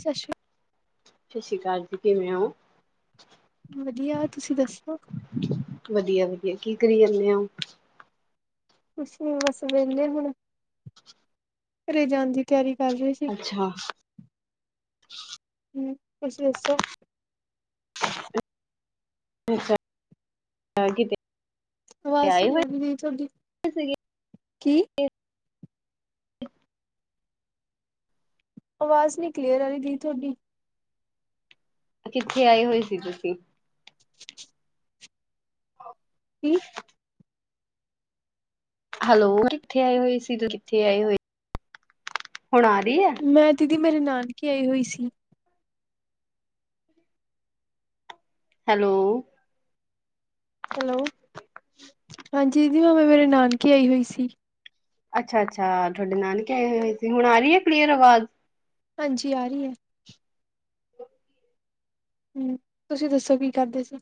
ਸਸ਼ ਸਤਿ ਸ਼੍ਰੀ ਅਕਾਲ ਜੀ ਕਿਵੇਂ ਓ? ਵੱਧੀਆ ਤੁਸੀਂ ਦੱਸੋ? ਵਧੀਆ-ਵਧੀਆ ਕੀ ਕਰੀ ਜਾਨੇ ਓ? ਕੁਛ ਨੀ ਬਸ ਵਿਹਲੇ ਹੁਣ, ਘਰੇ ਜਾਣ ਦੀ ਤਿਆਰੀ ਕਰ ਰਹੇ ਸੀ। ਅੱਛਾ! ਹਮਮ, ਤੁਸੀਂ ਦੱਸੋ? ਅੱਛਾ, ਕਿਤੇ ਆਵਾਜ਼ ਆਏ ਨੀ ਆ ਰਹੀ ਦੀਦੀ ਤੁਹਾਡੀ ਹੋਏ ਸੀਗੇ? ਕੀ ਆਵਾਜ਼ ਨਹੀਂ ਕਲੀਅਰ ਆ ਰਹੀ ਦੀਦੀ ਤੁਹਾਡੀ। ਕਿੱਥੇ ਆਏ ਹੋਈ ਸੀ ਤੁਸੀਂ। ਕੀ ਹੈਲੋ, ਕਿੱਥੇ ਆਏ ਹੋਏ ਸੀ ਕਿੱਥੇ ਆਏ ਹੋਏ? ਹੁਣ ਆ ਰਹੀ ਐ। ਮੈਂ ਦੀਦੀ ਮੇਰੇ ਨਾਨਕੇ ਆਈ ਹੋਈ ਸੀ। ਹੈਲੋ ਹੈਲੋ, ਹਾਂਜੀ ਦੀਦੀ ਮੈਂ ਮੇਰੇ ਨਾਨਕੇ ਆਈ ਹੋਈ ਸੀ। ਅੱਛਾ-ਅੱਛਾ ਤੁਹਾਡੇ ਨਾਨਕੇ ਆਏ ਹੋਏ ਸੀ ਹੁਣ ਆ ਰਹੀ ਹੈ ਕਲੀਅਰ ਆਵਾਜ਼। ਹਾਂਜੀ ਆ ਰਹੀ ਏ। ਹਮ ਤੁਸੀਂ ਦੱਸੋ ਕੀ ਕਰਦੇ ਸੀ?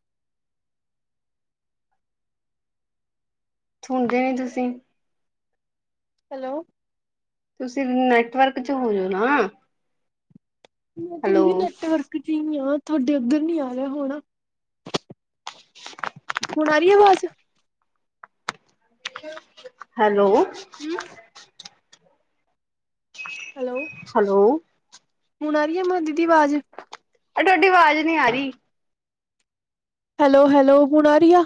ਸੁਣਦੇ ਨਹੀਂ ਤੁਸੀਂ ਹੈਲੋ ਤੁਸੀਂ ਨੈਟਵਰਕ 'ਚ ਹੋ ਜੋ ਨਾ। ਮੈਂ ਤੇ ਹੈਲੋ ਫੇਰ ਵੀ ਨੈਟਵਰਕ ਚ ਹੀ ਆ, ਤੁਹਾਡੇ ਉੱਧਰ ਨਹੀ ਆ ਰਿਹਾ ਹੋਣਾ। ਹੁਣ ਆ ਰਹੀ ਹੈ ਆਵਾਜ਼। ਹੈਲੋ ਹੂੰ ਹੈਲੋ ਹੈਲੋ ਹੁਣ ਆ ਰਹੀ ਮ ਦੀਦੀ ਆਵਾਜ਼। ਅ ਤੁਹਾਡੀ ਆਵਾਜ਼ ਨਹੀ ਆ ਰਹੀ। ਹੈਲੋ-ਹੈਲੋ ਹੁਣ ਆ ਰਹਿ ਆ।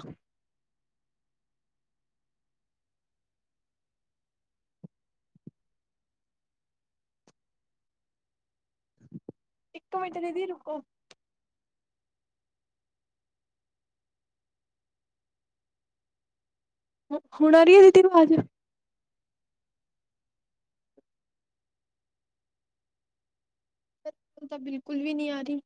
ਇੱਕ ਮਿੰਟ ਦੀਦੀ ਰੁਕੋ। ਹੁਣ ਆ ਰਹੀ ਹੈ ਦੀਦੀ ਆਵਾਜ਼ ਤਾਂ ਬਿਲਕੁਲ ਵੀ ਨਹੀਂ ਆ ਰਹੀ।